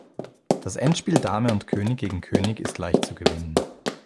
Das Endspiel Dame und König gegen König ist leicht zu gewinnen.